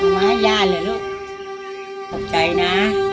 มาให้ย่าเลยลูกตกใจนะ